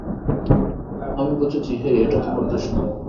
আমি বুঝেছি হেই, এটা তোমার দোষ না।